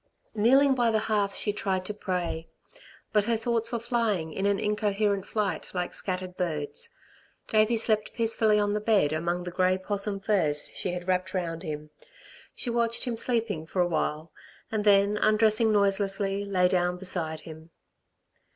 Kneeling by the hearth she tried to pray. But her thoughts were flying in an incoherent flight like scattered birds. Davey slept peacefully on the bed among the grey 'possum furs she had wrapped round him. She watched him sleeping for awhile, and then undressing noiselessly, lay down beside him.